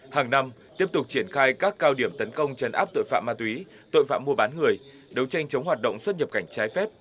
hàng năm tiếp tục triển khai các cao điểm tấn công chấn áp tội phạm ma túy tội phạm mua bán người đấu tranh chống hoạt động xuất nhập cảnh trái phép